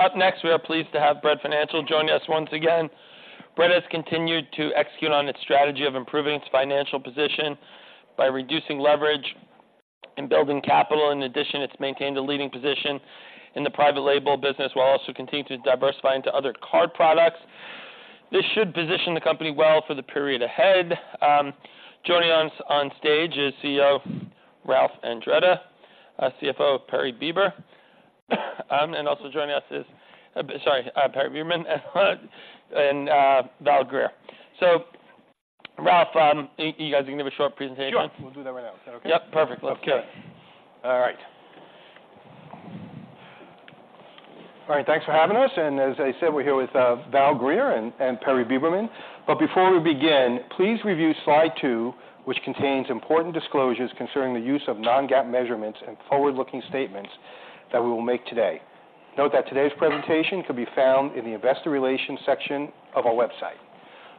Up next, we are pleased to have Bread Financial joining us once again. Bread has continued to execute on its strategy of improving its financial position by reducing leverage and building capital. In addition, it's maintained a leading position in the private label business, while also continuing to diversify into other card products. This should position the company well for the period ahead. Joining us on stage is CEO Ralph Andretta, CFO Perry Beberman. And also joining us is—sorry, Perry Beberman, and Val Greer. So Ralph, you guys are going to give a short presentation? Sure, we'll do that right now. Is that okay? Yep, perfect. Let's kill it. All right. All right, thanks for having us, and as I said, we're here with Val Greer and Perry Beberman. But before we begin, please review slide two, which contains important disclosures concerning the use of non-GAAP measurements and forward-looking statements that we will make today. Note that today's presentation can be found in the investor relations section of our website.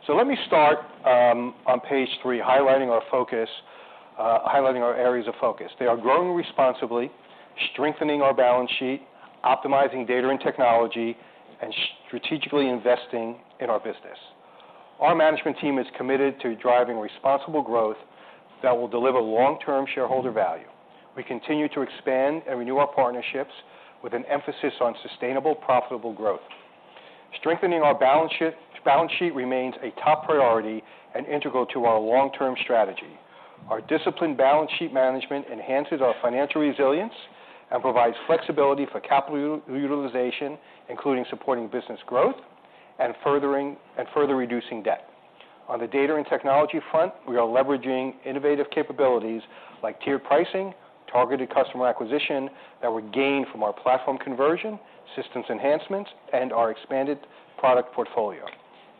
So let me start on page three, highlighting our areas of focus. They are growing responsibly, strengthening our balance sheet, optimizing data and technology, and strategically investing in our business. Our management team is committed to driving responsible growth that will deliver long-term shareholder value. We continue to expand and renew our partnerships with an emphasis on sustainable, profitable growth. Strengthening our balance sheet remains a top priority and integral to our long-term strategy. Our disciplined balance sheet management enhances our financial resilience and provides flexibility for capital utilization, including supporting business growth and further reducing debt. On the data and technology front, we are leveraging innovative capabilities like tiered pricing, targeted customer acquisition that we gained from our platform conversion, systems enhancements, and our expanded product portfolio.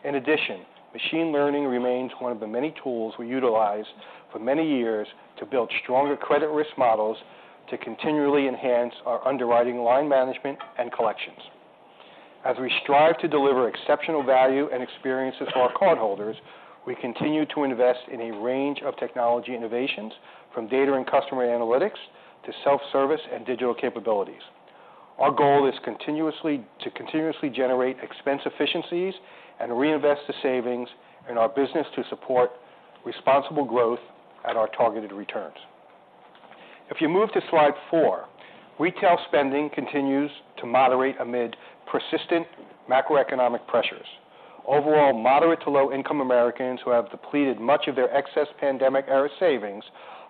In addition, machine learning remains one of the many tools we utilized for many years to build stronger credit risk models to continually enhance our underwriting line management and collections. As we strive to deliver exceptional value and experiences to our cardholders, we continue to invest in a range of technology innovations, from data and customer analytics to self-service and digital capabilities. Our goal is to continuously generate expense efficiencies and reinvest the savings in our business to support responsible growth at our targeted returns. If you move to slide four, retail spending continues to moderate amid persistent macroeconomic pressures. Overall, moderate to low-income Americans who have depleted much of their excess pandemic-era savings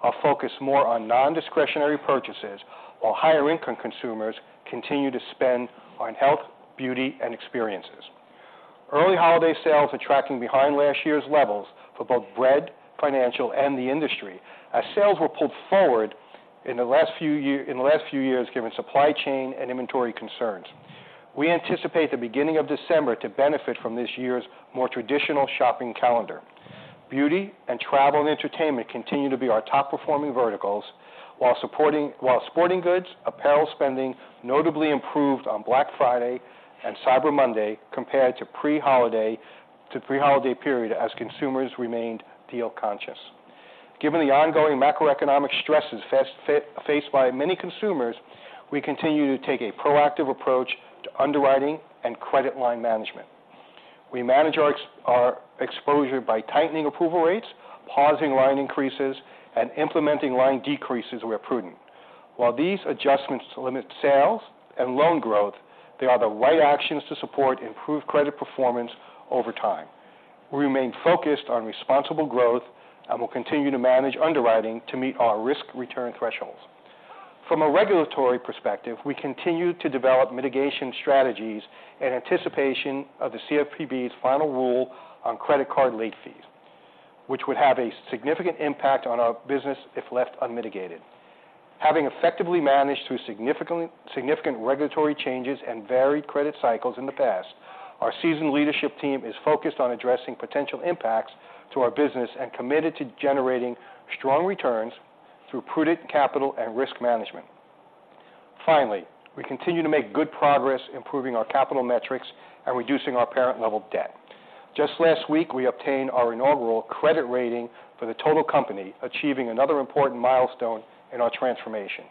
are focused more on non-discretionary purchases, while higher-income consumers continue to spend on health, beauty, and experiences. Early holiday sales are tracking behind last year's levels for both Bread Financial and the industry, as sales were pulled forward in the last few years, given supply chain and inventory concerns. We anticipate the beginning of December to benefit from this year's more traditional shopping calendar. Beauty and travel and entertainment continue to be our top-performing verticals, while sporting goods, apparel spending notably improved on Black Friday and Cyber Monday, compared to pre-holiday period, as consumers remained deal-conscious. Given the ongoing macroeconomic stresses faced by many consumers, we continue to take a proactive approach to underwriting and credit line management. We manage our exposure by tightening approval rates, pausing line increases, and implementing line decreases where prudent. While these adjustments limit sales and loan growth, they are the right actions to support improved credit performance over time. We remain focused on responsible growth and will continue to manage underwriting to meet our risk-return thresholds. From a regulatory perspective, we continue to develop mitigation strategies in anticipation of the CFPB's final rule on credit card late fees, which would have a significant impact on our business if left unmitigated. Having effectively managed through significant regulatory changes and varied credit cycles in the past, our seasoned leadership team is focused on addressing potential impacts to our business and committed to generating strong returns through prudent capital and risk management. Finally, we continue to make good progress improving our capital metrics and reducing our parent level debt. Just last week, we obtained our inaugural credit rating for the total company, achieving another important milestone in our transformation.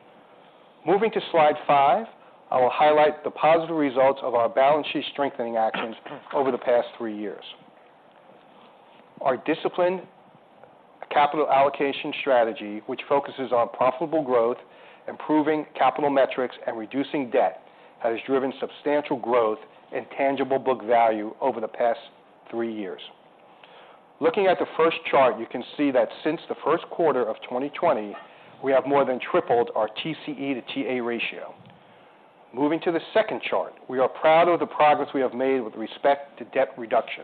Moving to slide five, I will highlight the positive results of our balance sheet strengthening actions over the past three years. Our disciplined capital allocation strategy, which focuses on profitable growth, improving capital metrics, and reducing debt, has driven substantial growth and tangible book value over the past three years. Looking at the first chart, you can see that since the first quarter of 2020, we have more than tripled our TCE to TA ratio. Moving to the second chart, we are proud of the progress we have made with respect to debt reduction.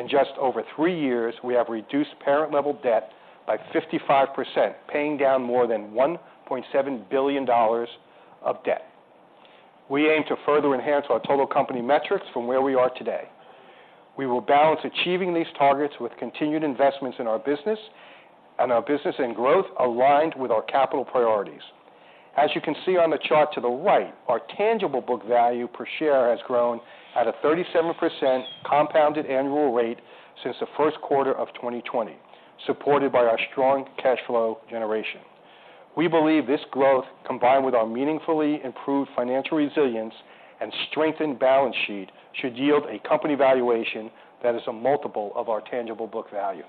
In just over three years, we have reduced parent level debt by 55%, paying down more than $1.7 billion of debt. We aim to further enhance our total company metrics from where we are today. We will balance achieving these targets with continued investments in our business and our business and growth aligned with our capital priorities. As you can see on the chart to the right, our tangible book value per share has grown at a 37% compounded annual rate since the first quarter of 2020, supported by our strong cash flow generation.... We believe this growth, combined with our meaningfully improved financial resilience and strengthened balance sheet, should yield a company valuation that is a multiple of our tangible book value.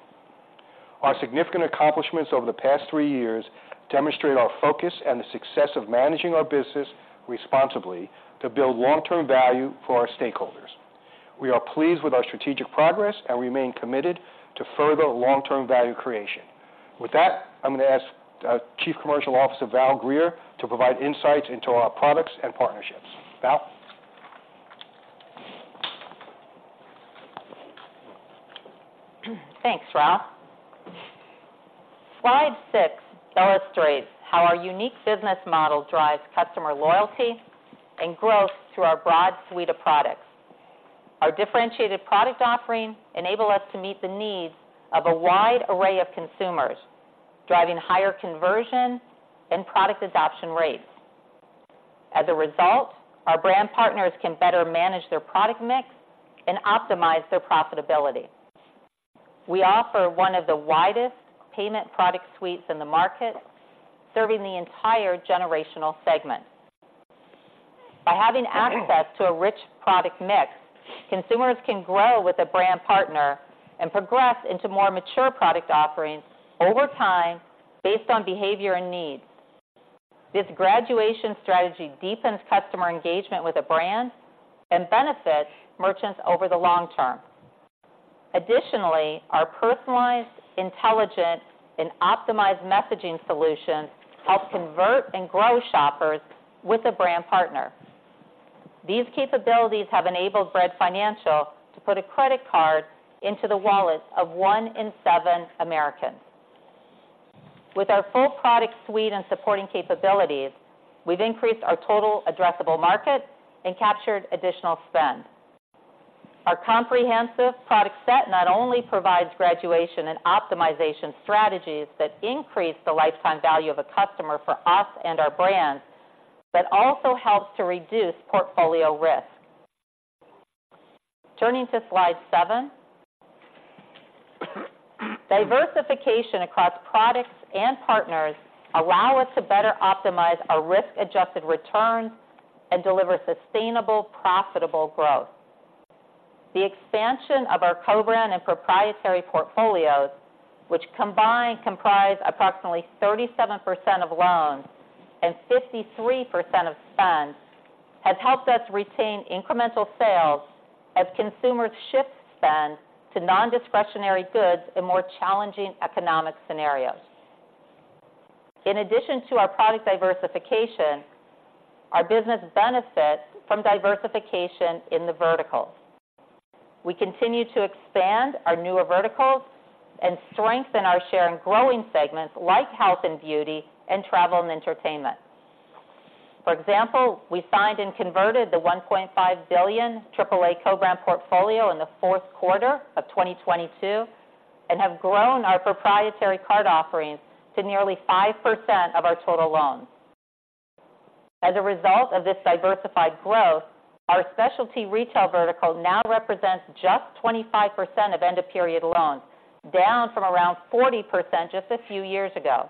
Our significant accomplishments over the past three years demonstrate our focus and the success of managing our business responsibly to build long-term value for our stakeholders. We are pleased with our strategic progress and remain committed to further long-term value creation. With that, I'm going to ask, Chief Commercial Officer, Val Greer, to provide insights into our products and partnerships. Val? Thanks, Ralph. Slide six illustrates how our unique business model drives customer loyalty and growth through our broad suite of products. Our differentiated product offerings enable us to meet the needs of a wide array of consumers, driving higher conversion and product adoption rates. As a result, our brand partners can better manage their product mix and optimize their profitability. We offer one of the widest payment product suites in the market, serving the entire generational segment. By having access to a rich product mix, consumers can grow with a brand partner and progress into more mature product offerings over time based on behavior and needs. This graduation strategy deepens customer engagement with a brand and benefits merchants over the long term. Additionally, our personalized, intelligent, and optimized messaging solutions help convert and grow shoppers with a brand partner. These capabilities have enabled Bread Financial to put a credit card into the wallets of one in seven Americans. With our full product suite and supporting capabilities, we've increased our total addressable market and captured additional spend. Our comprehensive product set not only provides graduation and optimization strategies that increase the lifetime value of a customer for us and our brands, but also helps to reduce portfolio risk. Turning to slide seven. Diversification across products and partners allow us to better optimize our risk-adjusted returns and deliver sustainable, profitable growth. The expansion of our co-brand and proprietary portfolios, which combined, comprise approximately 37% of loans and 53% of spend, has helped us retain incremental sales as consumers shift spend to non-discretionary goods in more challenging economic scenarios. In addition to our product diversification, our business benefits from diversification in the verticals. We continue to expand our newer verticals and strengthen our share in growing segments like health and beauty, and travel and entertainment. For example, we signed and converted the $1.5 billion AAA co-brand portfolio in the fourth quarter of 2022, and have grown our proprietary card offerings to nearly 5% of our total loans. As a result of this diversified growth, our specialty retail vertical now represents just 25% of end-of-period loans, down from around 40% just a few years ago.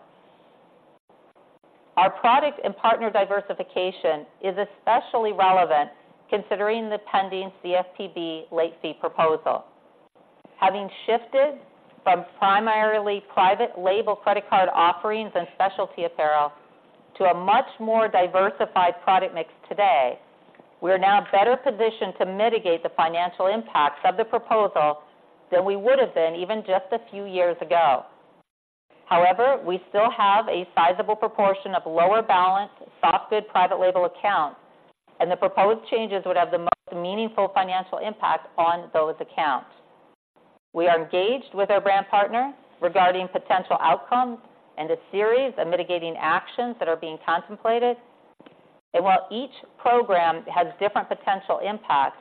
Our product and partner diversification is especially relevant considering the pending CFPB late fee proposal. Having shifted from primarily private label credit card offerings and specialty apparel to a much more diversified product mix today, we are now better positioned to mitigate the financial impacts of the proposal than we would have been even just a few years ago. However, we still have a sizable proportion of lower balance, soft good private label accounts, and the proposed changes would have the most meaningful financial impact on those accounts. We are engaged with our brand partners regarding potential outcomes and a series of mitigating actions that are being contemplated. And while each program has different potential impacts,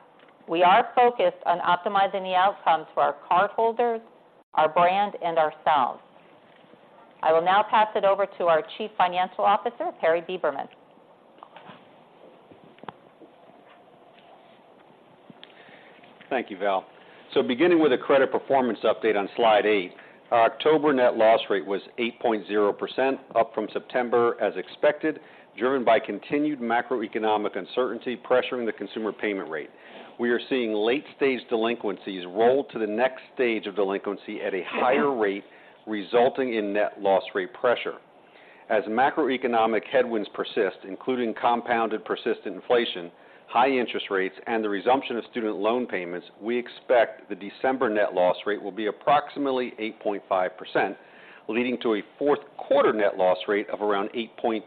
we are focused on optimizing the outcomes for our cardholders, our brand, and ourselves. I will now pass it over to our Chief Financial Officer, Perry Beberman. Thank you, Val. So beginning with a credit performance update on slide eight, our October net loss rate was 8.0%, up from September as expected, driven by continued macroeconomic uncertainty, pressuring the consumer payment rate. We are seeing late-stage delinquencies roll to the next stage of delinquency at a higher rate, resulting in net loss rate pressure. As macroeconomic headwinds persist, including compounded persistent inflation, high interest rates, and the resumption of student loan payments, we expect the December net loss rate will be approximately 8.5%, leading to a fourth quarter net loss rate of around 8.2%.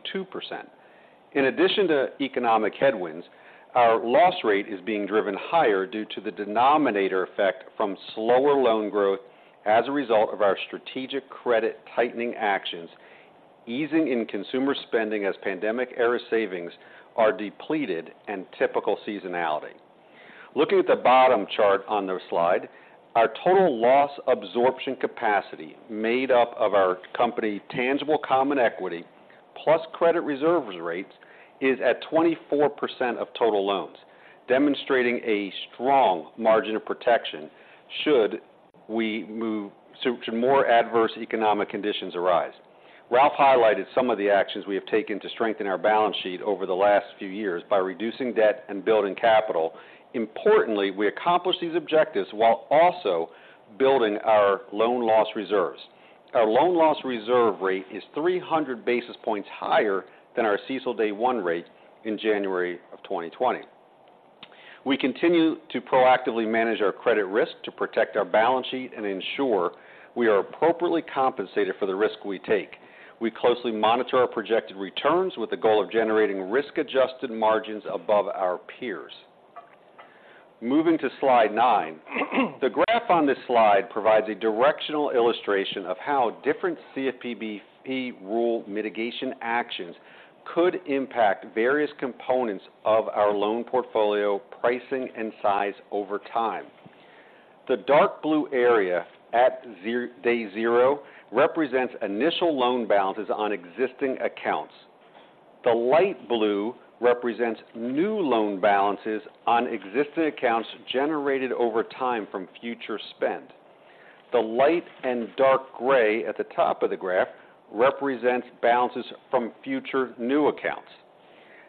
In addition to economic headwinds, our loss rate is being driven higher due to the denominator effect from slower loan growth as a result of our strategic credit tightening actions, easing in consumer spending as pandemic-era savings are depleted, and typical seasonality. Looking at the bottom chart on the slide, our total loss absorption capacity, made up of our company's Tangible Common Equity plus credit reserve rates, is at 24% of total loans, demonstrating a strong margin of protection should more adverse economic conditions arise. Ralph highlighted some of the actions we have taken to strengthen our balance sheet over the last few years by reducing debt and building capital. Importantly, we accomplished these objectives while also building our loan loss reserves. Our loan loss reserve rate is 300 basis points higher than our CECL Day One rate in January 2020. We continue to proactively manage our credit risk to protect our balance sheet and ensure we are appropriately compensated for the risk we take. We closely monitor our projected returns with the goal of generating risk-adjusted margins above our peers. Moving to Slide nine. The graph on this slide provides a directional illustration of how different CFPB rule mitigation actions could impact various components of our loan portfolio, pricing, and size over time. The dark blue area at Day Zero represents initial loan balances on existing accounts. The light blue represents new loan balances on existing accounts generated over time from future spend. The light and dark gray at the top of the graph represents balances from future new accounts.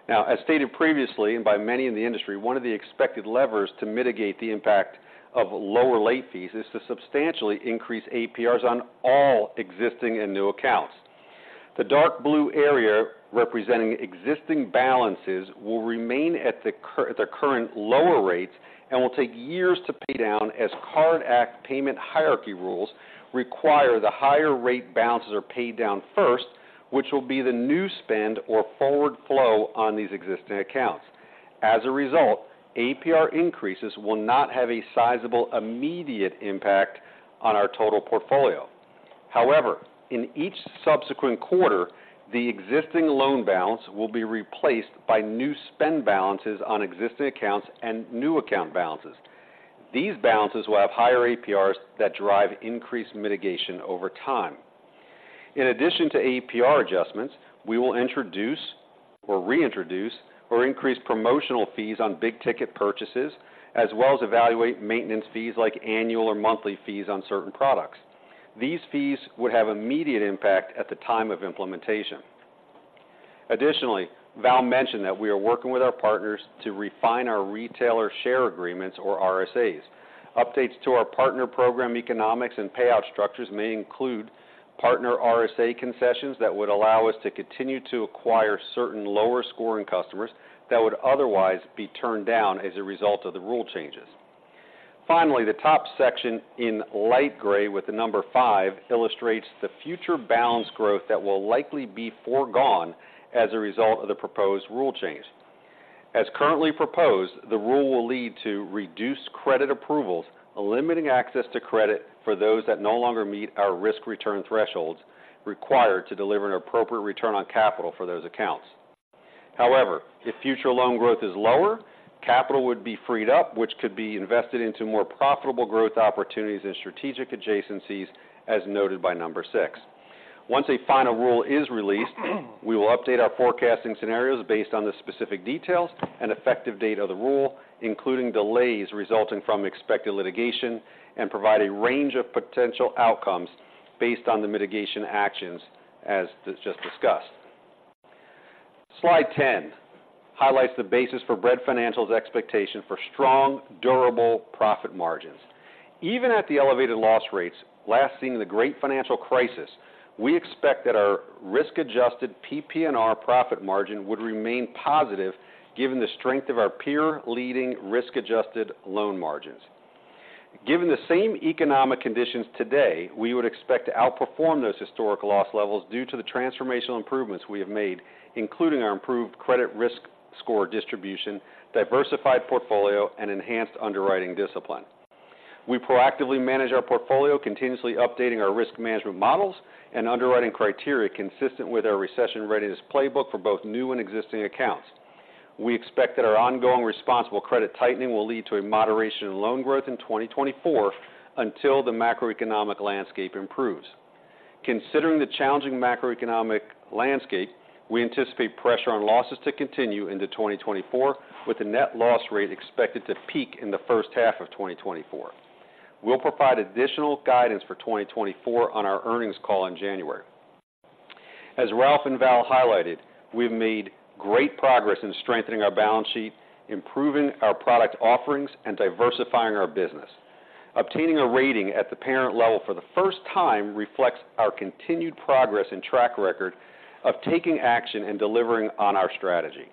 Now, as stated previously, and by many in the industry, one of the expected levers to mitigate the impact of lower late fees is to substantially increase APRs on all existing and new accounts. The dark blue area, representing existing balances, will remain at the current lower rates and will take years to pay down, as CARD Act payment hierarchy rules require the higher rate balances are paid down first, which will be the new spend or forward flow on these existing accounts. As a result, APR increases will not have a sizable immediate impact on our total portfolio. However, in each subsequent quarter, the existing loan balance will be replaced by new spend balances on existing accounts and new account balances. These balances will have higher APRs that drive increased mitigation over time. In addition to APR adjustments, we will introduce or reintroduce or increase promotional fees on big-ticket purchases, as well as evaluate maintenance fees like annual or monthly fees on certain products. These fees would have immediate impact at the time of implementation. Additionally, Val mentioned that we are working with our partners to refine our Retailer Share Agreements or RSAs. Updates to our partner program economics and payout structures may include partner RSA concessions that would allow us to continue to acquire certain lower-scoring customers that would otherwise be turned down as a result of the rule changes. Finally, the top section in light gray with the number five illustrates the future balance growth that will likely be foregone as a result of the proposed rule change. As currently proposed, the rule will lead to reduced credit approvals, limiting access to credit for those that no longer meet our risk-return thresholds required to deliver an appropriate return on capital for those accounts. However, if future loan growth is lower, capital would be freed up, which could be invested into more profitable growth opportunities and strategic adjacencies, as noted by number six. Once a final rule is released, we will update our forecasting scenarios based on the specific details and effective date of the rule, including delays resulting from expected litigation, and provide a range of potential outcomes based on the mitigation actions as just discussed. Slide 10 highlights the basis for Bread Financial's expectation for strong, durable profit margins. Even at the elevated loss rates last seen in the great financial crisis, we expect that our risk-adjusted PPNR profit margin would remain positive, given the strength of our peer-leading risk-adjusted loan margins. Given the same economic conditions today, we would expect to outperform those historic loss levels due to the transformational improvements we have made, including our improved credit risk score distribution, diversified portfolio, and enhanced underwriting discipline. We proactively manage our portfolio, continuously updating our risk management models and underwriting criteria consistent with our Recession Readiness Playbook for both new and existing accounts. We expect that our ongoing responsible credit tightening will lead to a moderation in loan growth in 2024 until the macroeconomic landscape improves. Considering the challenging macroeconomic landscape, we anticipate pressure on losses to continue into 2024, with the net loss rate expected to peak in the first half of 2024. We'll provide additional guidance for 2024 on our earnings call in January. As Ralph and Val highlighted, we've made great progress in strengthening our balance sheet, improving our product offerings, and diversifying our business. Obtaining a rating at the parent level for the first time reflects our continued progress and track record of taking action and delivering on our strategy.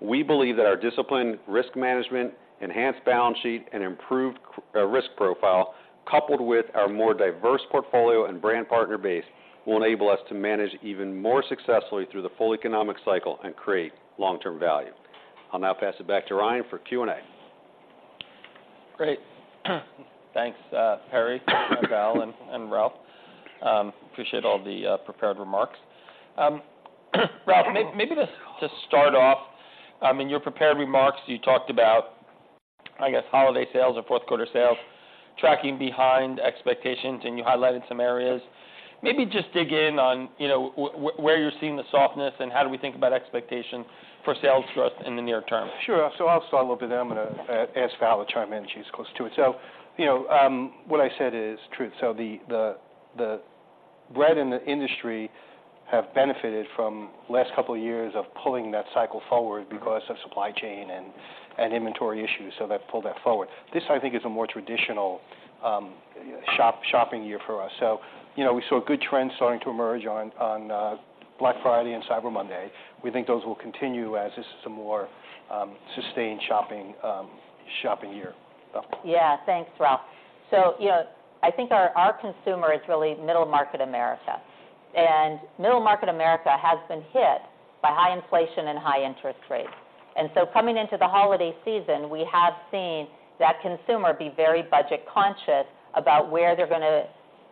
We believe that our disciplined risk management, enhanced balance sheet, and improved risk profile, coupled with our more diverse portfolio and brand partner base, will enable us to manage even more successfully through the full economic cycle and create long-term value. I'll now pass it back to Ryan for Q&A. Great. Thanks, Perry, Val, and Ralph. Appreciate all the prepared remarks. Ralph, maybe just to start off, I mean, your prepared remarks, you talked about, I guess, holiday sales or fourth quarter sales tracking behind expectations, and you highlighted some areas. Maybe just dig in on, you know, where you're seeing the softness, and how do we think about expectation for sales growth in the near term? Sure. So I'll start a little bit, and I'm going to ask Val to chime in. She's close to it. So, you know, what I said is true. So the brands in the industry have benefited from last couple of years of pulling that cycle forward because of supply chain and inventory issues, so that pulled that forward. This, I think, is a more traditional shopping year for us. So, you know, we saw good trends starting to emerge on Black Friday and Cyber Monday. We think those will continue as this is a more sustained shopping year. So- Yeah, thanks, Ralph. So, you know, I think our consumer is really middle market America, and middle market America has been hit by high inflation and high interest rates. And so coming into the holiday season, we have seen that consumer be very budget-conscious about where they're going to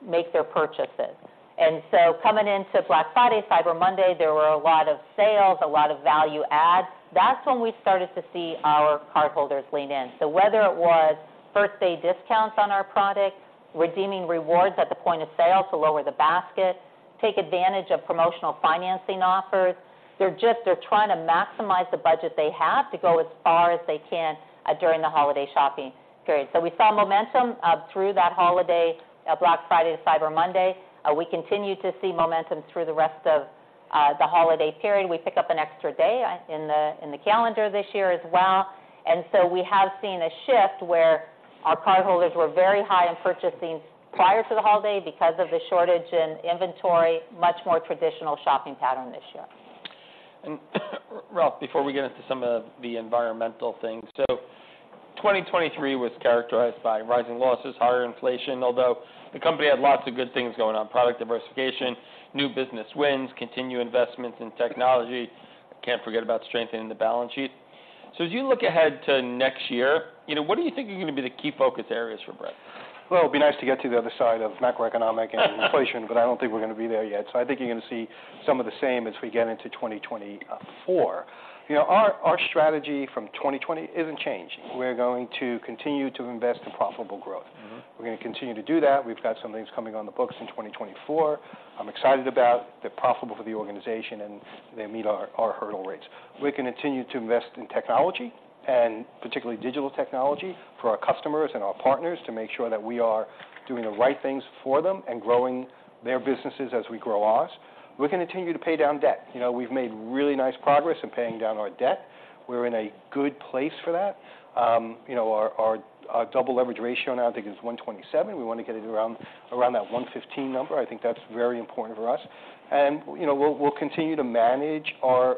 make their purchases. And so coming into Black Friday, Cyber Monday, there were a lot of sales, a lot of value adds. That's when we started to see our cardholders lean in. So whether it was first-day discounts on our products, redeeming rewards at the point of sale to lower the basket, take advantage of promotional financing offers, they're just trying to maximize the budget they have to go as far as they can during the holiday shopping period. So we saw momentum through that holiday, Black Friday to Cyber Monday. We continued to see momentum through the rest of the holiday period. We picked up an extra day in the calendar this year as well. And so we have seen a shift where our cardholders were very high in purchasing prior to the holiday because of the shortage in inventory, much more traditional shopping pattern this year. And, Ralph, before we get into some of the environmental things, so 2023 was characterized by rising losses, higher inflation, although the company had lots of good things going on, product diversification, new business wins, continued investments in technology. Can't forget about strengthening the balance sheet. So as you look ahead to next year, you know, what do you think are going to be the key focus areas for Bread? Well, it'd be nice to get to the other side of macroeconomic and inflation, but I don't think we're going to be there yet. So I think you're going to see some of the same as we get into 2024. You know, our, our strategy from 2020 isn't changing. We're going to continue to invest in profitable growth. Mm-hmm. We're going to continue to do that. We've got some things coming on the books in 2024. I'm excited about. They're profitable for the organization, and they meet our hurdle rates. We're going to continue to invest in technology, and particularly digital technology, for our customers and our partners, to make sure that we are doing the right things for them and growing their businesses as we grow ours. We're going to continue to pay down debt. You know, we've made really nice progress in paying down our debt. We're in a good place for that. You know, our double leverage ratio now, I think, is 1.27. We want to get it around that 1.15 number. I think that's very important for us. You know, we'll continue to manage our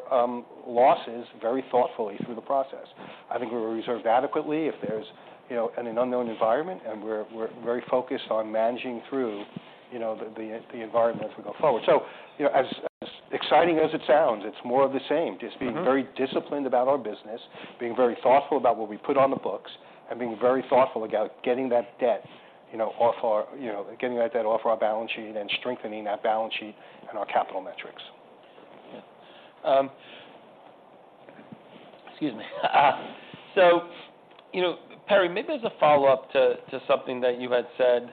losses very thoughtfully through the process. I think we're reserved adequately. If there's, you know, in an unknown environment, and we're very focused on managing through, you know, the environment as we go forward. So, you know, as exciting as it sounds, it's more of the same. Mm-hmm. Just being very disciplined about our business, being very thoughtful about what we put on the books, and being very thoughtful about getting that debt, you know, off our balance sheet and strengthening that balance sheet and our capital metrics. Yeah. Excuse me. So, you know, Perry, maybe as a follow-up to, to something that you had said,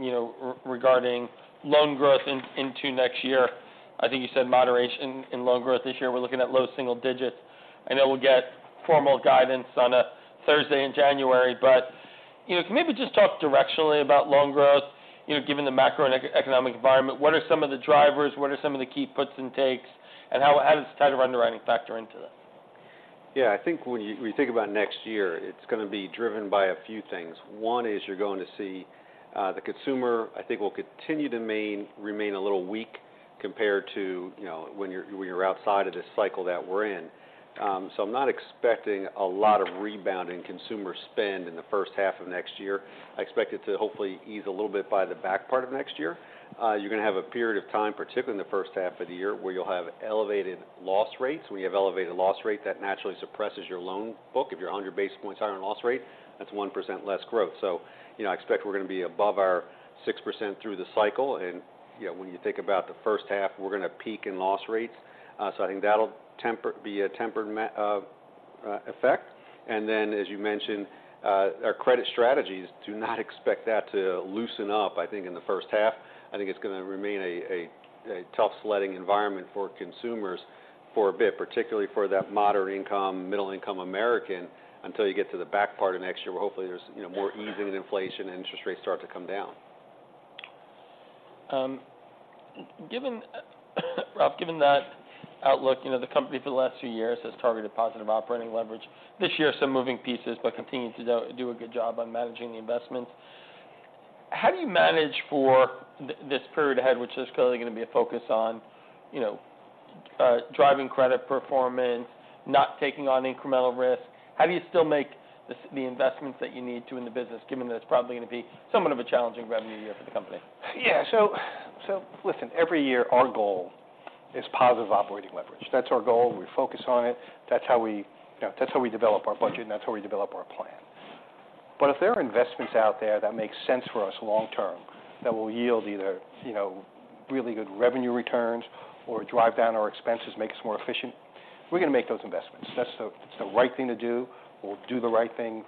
you know, regarding loan growth into next year. I think you said moderation in loan growth this year. We're looking at low single digits. I know we'll get formal guidance on a Thursday in January, but, you know, can you maybe just talk directionally about loan growth? You know, given the macroeconomic environment, what are some of the drivers? What are some of the key puts and takes, and how does tight underwriting factor into this? Yeah, I think when you think about next year, it's going to be driven by a few things. One is you're going to see the consumer, I think, will continue to remain a little weak compared to, you know, when you're outside of this cycle that we're in. So I'm not expecting a lot of rebound in consumer spend in the first half of next year. I expect it to hopefully ease a little bit by the back part of next year. You're going to have a period of time, particularly in the first half of the year, where you'll have elevated loss rates. When you have elevated loss rate, that naturally suppresses your loan book. If you're 100 basis points higher in loss rate, that's 1% less growth. So, you know, I expect we're going to be above our 6% through the cycle, and, you know, when you think about the first half, we're going to peak in loss rates. So I think that'll be a tempered effect. And then, as you mentioned, our credit strategies, do not expect that to loosen up, I think, in the first half. I think it's going to remain a tough sledding environment for consumers for a bit, particularly for that moderate income, middle-income American, until you get to the back part of next year, where hopefully there's, you know, more easing in inflation and interest rates start to come down. Given, Ralph, given that outlook, you know, the company for the last few years has targeted positive operating leverage. This year, some moving pieces, but continuing to do a good job on managing the investments. How do you manage for this period ahead, which is clearly going to be a focus on, you know, driving credit performance, not taking on incremental risk? How do you still make the investments that you need to in the business, given that it's probably going to be somewhat of a challenging revenue year for the company? Yeah. So, listen, every year, our goal is positive operating leverage. That's our goal. We focus on it. That's how we, you know, that's how we develop our budget, and that's how we develop our plan. But if there are investments out there that make sense for us long term, that will yield either, you know, really good revenue returns or drive down our expenses, make us more efficient, we're going to make those investments. That's the, it's the right thing to do. We'll do the right thing.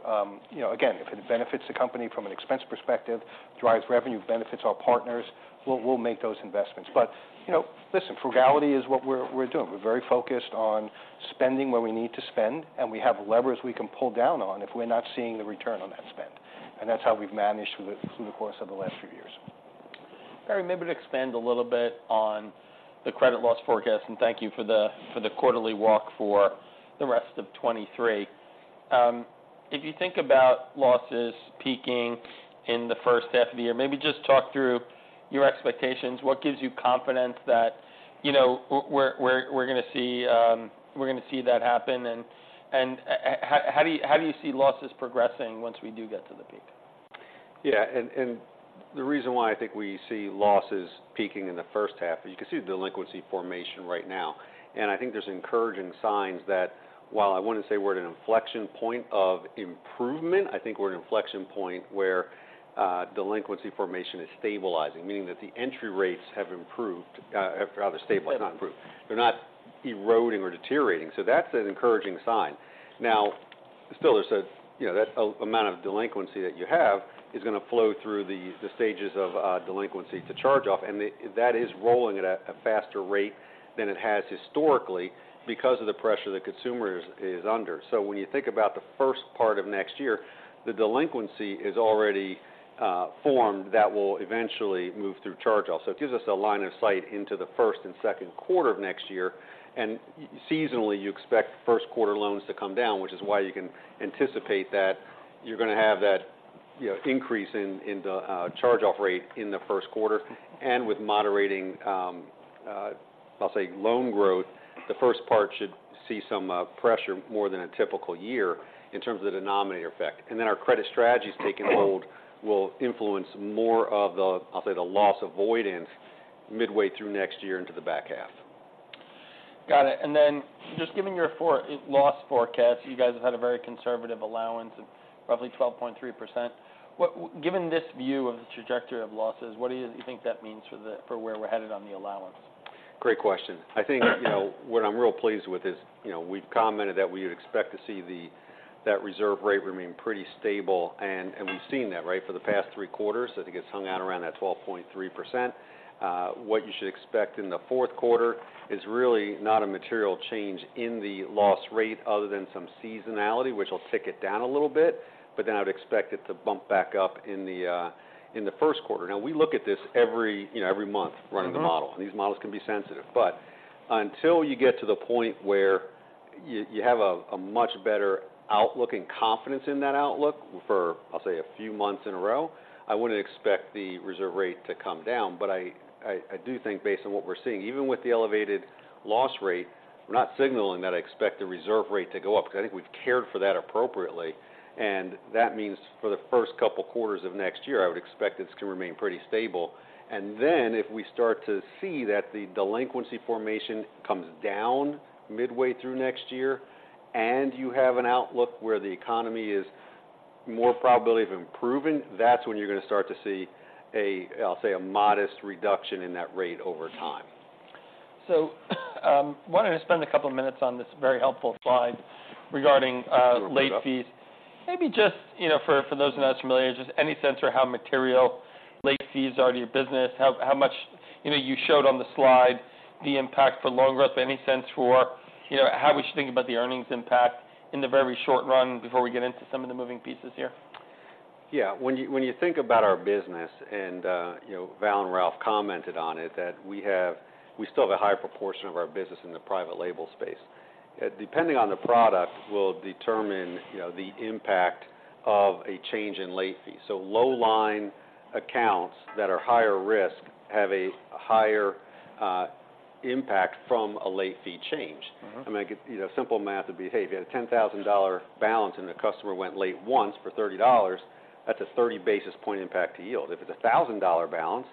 You know, again, if it benefits the company from an expense perspective, drives revenue, benefits our partners, we'll make those investments. But, you know, listen, frugality is what we're doing. We're very focused on spending where we need to spend, and we have levers we can pull down on if we're not seeing the return on that spend. That's how we've managed through the course of the last few years. Perry, maybe to expand a little bit on the credit loss forecast, and thank you for the, for the quarterly walk for the rest of 2023. If you think about losses peaking in the first half of the year, maybe just talk through your expectations. What gives you confidence that, you know, we're going to see that happen? And, how do you see losses progressing once we do get to the peak? Yeah, and the reason why I think we see losses peaking in the first half is you can see the delinquency formation right now. And I think there's encouraging signs that while I wouldn't say we're at an inflection point of improvement, I think we're at an inflection point where delinquency formation is stabilizing, meaning that the entry rates have improved, have rather stabilized, not improved. They're not eroding or deteriorating, so that's an encouraging sign. Now, still, there's, you know, that amount of delinquency that you have is going to flow through the stages of delinquency to charge off, and that is rolling at a faster rate than it has historically because of the pressure the consumer is under. So when you think about the first part of next year, the delinquency is already formed that will eventually move through charge-off. So it gives us a line of sight into the first and second quarter of next year. Seasonally, you expect first quarter loans to come down, which is why you can anticipate that you're going to have that, you know, increase in the charge-off rate in the first quarter. And with moderating, I'll say loan growth, the first part should see some pressure more than a typical year in terms of the denominator effect. And then our credit strategies taking hold will influence more of the, I'll say, the loss avoidance midway through next year into the back half. Got it. Then just given your forward loss forecast, you guys have had a very conservative allowance of roughly 12.3%. Given this view of the trajectory of losses, what do you think that means for where we're headed on the allowance? Great question. I think, you know, what I'm real pleased with is, you know, we've commented that we would expect to see the, that reserve rate remain pretty stable, and, and we've seen that, right, for the past three quarters. I think it's hung out around that 12.3%. What you should expect in the fourth quarter is really not a material change in the loss rate other than some seasonality, which will tick it down a little bit, but then I would expect it to bump back up in the, in the first quarter. Now, we look at this every, you know, every month. Mm-hmm. Running the model, and these models can be sensitive. But until you get to the point where you have a much better outlook and confidence in that outlook for, I'll say, a few months in a row, I wouldn't expect the reserve rate to come down. But I do think based on what we're seeing, even with the elevated loss rate, we're not signaling that I expect the reserve rate to go up, because I think we've cared for that appropriately. And that means for the first couple quarters of next year, I would expect this to remain pretty stable. And then if we start to see that the delinquency formation comes down midway through next year, and you have an outlook where the economy is more probability of improving, that's when you're going to start to see a, I'll say, a modest reduction in that rate over time. Wanted to spend a couple of minutes on this very helpful slide regarding, Sure. late fees. Maybe just, you know, for those of us not as familiar, just any sense for how material late fees are to your business? How much... You know, you showed on the slide the impact for loan growth. Any sense for, you know, how we should think about the earnings impact in the very short run before we get into some of the moving pieces here? Yeah. When you, when you think about our business, and, you know, Val and Ralph commented on it, that we have- we still have a high proportion of our business in the private label space. Depending on the product, will determine, you know, the impact of a change in late fees. So low line accounts that are higher risk have a higher impact from a late fee change. Mm-hmm. I mean, it's, you know, simple math would be, hey, if you had a $10,000 balance, and the customer went late once for $30, that's a 30 basis point impact to yield. If it's a $1,000 balance,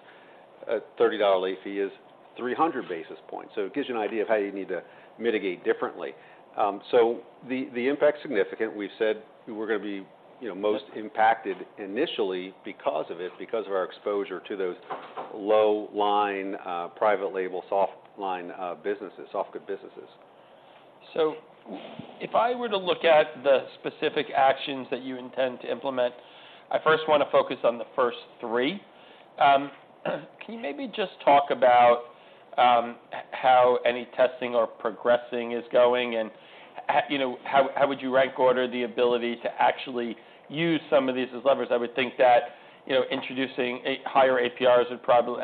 a $30 late fee is 300 basis points. So it gives you an idea of how you need to mitigate differently. So the, the impact's significant. We've said we're going to be, you know, most impacted initially because of it, because of our exposure to those low-line, private label, soft line, businesses, soft good businesses. So if I were to look at the specific actions that you intend to implement, I first want to focus on the first three. Can you maybe just talk about how any testing or progressing is going, and you know, how would you rank order the ability to actually use some of these as levers? I would think that, you know, introducing a higher APRs would probably...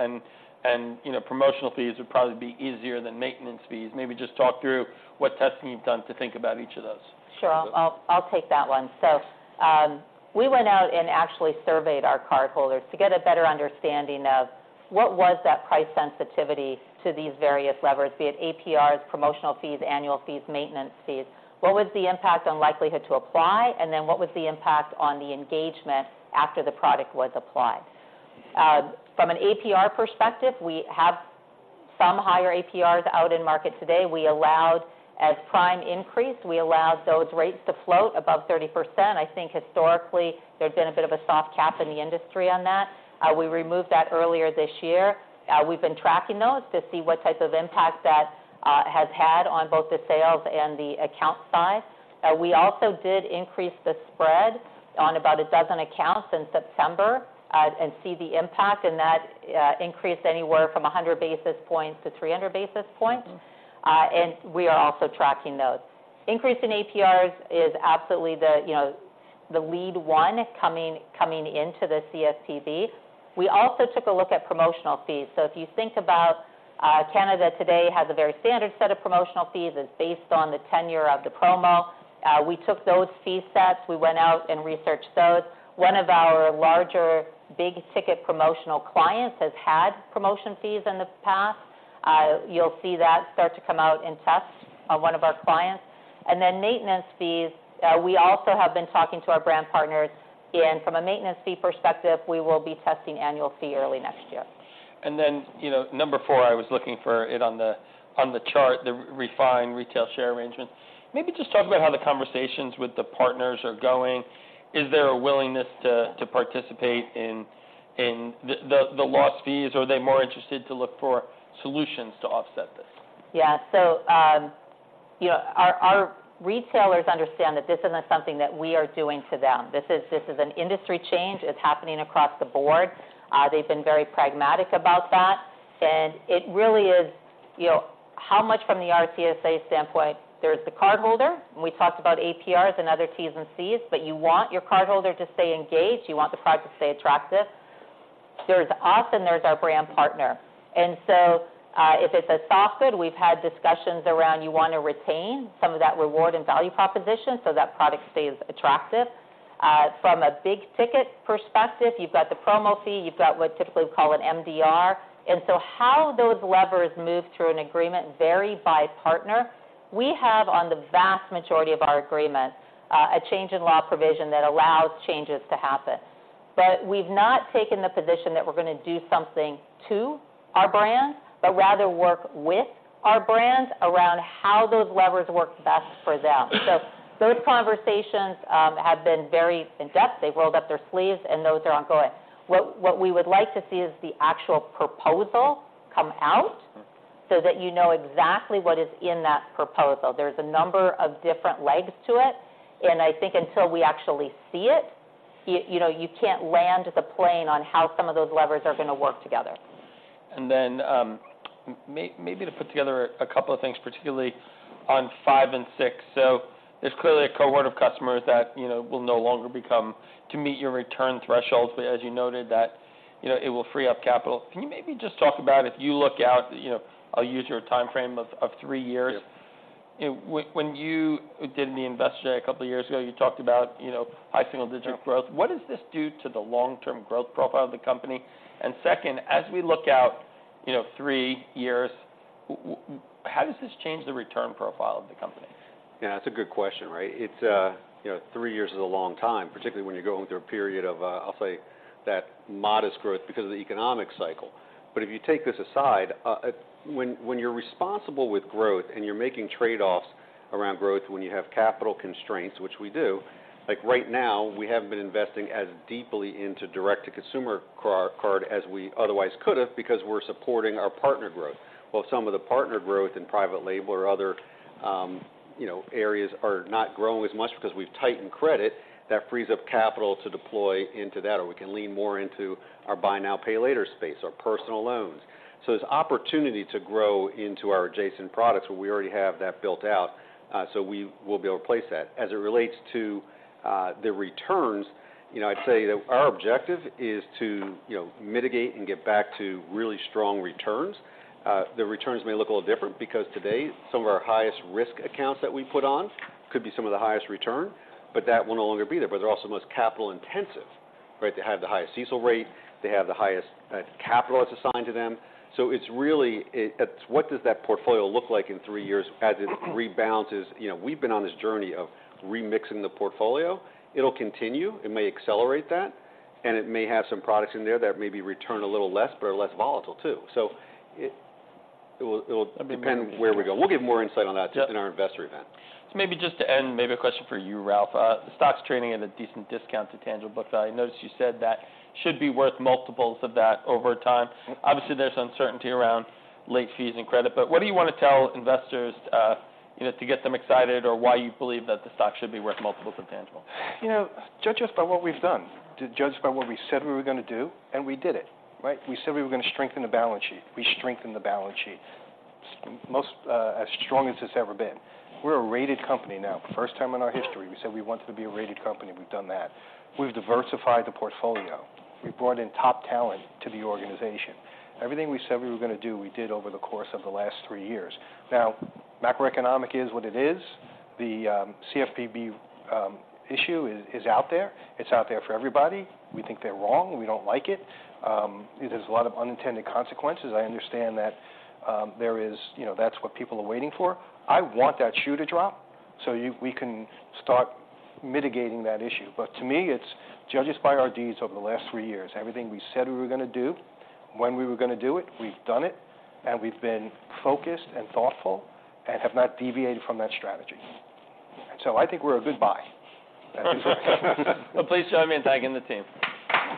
And, you know, promotional fees would probably be easier than maintenance fees. Maybe just talk through what testing you've done to think about each of those. Sure. I'll take that one. So, we went out and actually surveyed our cardholders to get a better understanding of what was that price sensitivity to these various levers, be it APRs, promotional fees, annual fees, maintenance fees. What was the impact on likelihood to apply, and then what was the impact on the engagement after the product was applied? From an APR perspective, we have-... some higher APRs out in market today. We allowed as Prime increased, we allowed those rates to float above 30%. I think historically, there's been a bit of a soft cap in the industry on that. We removed that earlier this year. We've been tracking those to see what type of impact that has had on both the sales and the account side. We also did increase the spread on about a dozen accounts in September, and see the impact, and that increased anywhere from 100 basis points to 300 basis points. And we are also tracking those. Increase in APRs is absolutely the, you know, the lead one coming, coming into the CFPB. We also took a look at promotional fees. So if you think about, Canada today has a very standard set of promotional fees, it's based on the tenure of the promo. We took those fee sets, we went out and researched those. One of our larger big ticket promotional clients has had promotion fees in the past. You'll see that start to come out in tests on one of our clients. And then maintenance fees, we also have been talking to our brand partners, and from a maintenance fee perspective, we will be testing annual fee early next year. And then, you know, number four, I was looking for it on the chart, the refined retailer share arrangement. Maybe just talk about how the conversations with the partners are going. Is there a willingness to participate in the lost fees, or are they more interested to look for solutions to offset this? Yeah. So, you know, our retailers understand that this is not something that we are doing to them. This is an industry change. It's happening across the board. They've been very pragmatic about that. And it really is, you know, how much from the RSA standpoint, there's the cardholder, and we talked about APRs and other T's and C's, but you want your cardholder to stay engaged. You want the product to stay attractive. There's us, and there's our brand partner. And so, if it's a soft good, we've had discussions around you wanna retain some of that reward and value proposition so that product stays attractive. From a big ticket perspective, you've got the promo fee, you've got what typically we call an MDR. And so how those levers move through an agreement vary by partner. We have, on the vast majority of our agreements, a change in law provision that allows changes to happen. But we've not taken the position that we're gonna do something to our brands, but rather work with our brands around how those levers work best for them. So those conversations have been very in-depth. They've rolled up their sleeves, and those are ongoing. What we would like to see is the actual proposal come out- Mm. So that you know exactly what is in that proposal. There's a number of different legs to it, and I think until we actually see it, you know, you can't land the plane on how some of those levers are gonna work together. And then, maybe to put together a couple of things, particularly on five and six. So there's clearly a cohort of customers that, you know, will no longer become to meet your return thresholds, but as you noted, that, you know, it will free up capital. Can you maybe just talk about if you look out, you know, I'll use your time frame of three years. When you did the Investor Day a couple of years ago, you talked about, you know, high single-digit growth. Yeah. What does this do to the long-term growth profile of the company? And second, as we look out, you know, three years, how does this change the return profile of the company? Yeah, that's a good question, right? It's... You know, three years is a long time, particularly when you're going through a period of, I'll say, that modest growth because of the economic cycle. But if you take this aside, when you're responsible with growth and you're making trade-offs around growth, when you have capital constraints, which we do, like right now, we haven't been investing as deeply into direct-to-consumer card as we otherwise could have because we're supporting our partner growth. While some of the partner growth in private label or other, you know, areas are not growing as much because we've tightened credit, that frees up capital to deploy into that, or we can lean more into our buy now, pay later space or personal loans. So there's opportunity to grow into our adjacent products, where we already have that built out, so we will be able to place that. As it relates to the returns, you know, I'd say that our objective is to, you know, mitigate and get back to really strong returns. The returns may look a little different because today, some of our highest risk accounts that we put on could be some of the highest return, but that will no longer be there, but they're also the most capital intensive, right? They have the highest CECL rate, they have the highest capital that's assigned to them. So it's really what does that portfolio look like in three years as it rebalances? You know, we've been on this journey of remixing the portfolio. It'll continue, it may accelerate that, and it may have some products in there that maybe return a little less, but are less volatile too. So it, it will, it will depend where we go. We'll give more insight on that- Yeah. in our investor event. So maybe just to end, maybe a question for you, Ralph. The stock's trading at a decent discount to tangible book value. I noticed you said that should be worth multiples of that over time. Mm. Obviously, there's uncertainty around late fees and credit, but what do you want to tell investors, you know, to get them excited or why you believe that the stock should be worth multiples of tangible? You know, judge us by what we've done. To judge by what we said we were gonna do, and we did it, right? We said we were gonna strengthen the balance sheet. We strengthened the balance sheet. Most, as strong as it's ever been. We're a rated company now. First time in our history, we said we wanted to be a rated company, we've done that. We've diversified the portfolio. We've brought in top talent to the organization. Everything we said we were gonna do, we did over the course of the last three years. Now, macroeconomic is what it is. The CFPB issue is out there. It's out there for everybody. We think they're wrong, we don't like it. There's a lot of unintended consequences. I understand that, there is... You know, that's what people are waiting for. I want that shoe to drop, so we can start mitigating that issue. But to me, it's, judge us by our deeds over the last three years. Everything we said we were gonna do, when we were gonna do it, we've done it, and we've been focused and thoughtful and have not deviated from that strategy. So I think we're a good buy. Well, please join me in thanking the team.